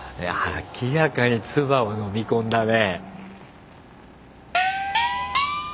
明らかに唾をのみ込んだね。